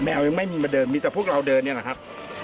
เหลือไม่เป็นมีหวังแต่พวกเราเดินอะนะครับ